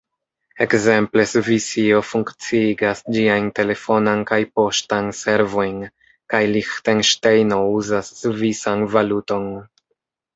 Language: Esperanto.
Ekzemple, Svisio funkciigas ĝiajn telefonan kaj poŝtan servojn, kaj Liĥtenŝtejno uzas svisan valuton.